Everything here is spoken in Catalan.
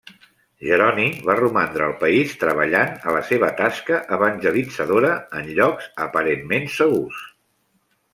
Jeroni va romandre al país treballant a la seva tasca evangelitzadora en llocs aparentment segurs.